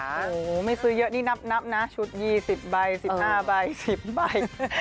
โอ้โหไม่ซื้อเยอะนี่นับนะชุดยี่สิบใบสิบห้าใบสิบใบ